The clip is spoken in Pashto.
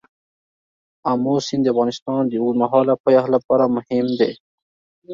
آمو سیند د افغانستان د اوږدمهاله پایښت لپاره مهم دی.